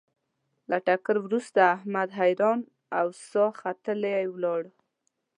له ټکر ورسته احمد حیران او ساه ختلی ولاړ و.